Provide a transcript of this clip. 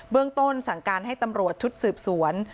เรื่องต้นสั่งการให้ตำรวจชุดสืบสวน